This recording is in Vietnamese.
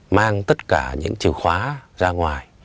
mang tất cả những chiều khóa ra ngoài